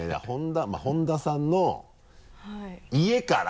本田さんの家から。